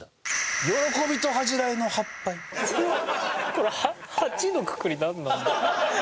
これ８のくくりなんなんだろう？